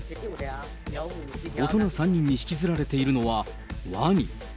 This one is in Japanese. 大人３人に引きずられているのはワニ。